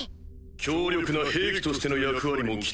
強力な兵器としての役割も期待されておる。